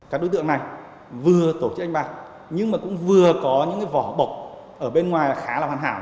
các đối tượng này vừa tổ chức đánh bạc nhưng mà cũng vừa có những vỏ bọc ở bên ngoài khá là hoàn hảo